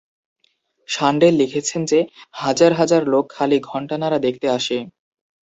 সাণ্ডেল লিখছেন যে, হাজার হাজার লোক খালি ঘণ্টানাড়া দেখতে আসে।